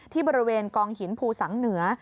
ที่บริเวณกองหินภูสังเหนือ